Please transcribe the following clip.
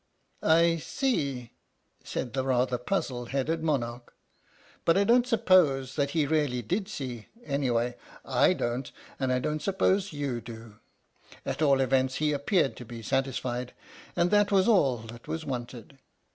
"I see," said the rather puzzle headed monarch but I don't suppose that he really did see. Anyway, / don't and I don't suppose you do. At all events he appeared to be satisfied, and that was all that was wanted.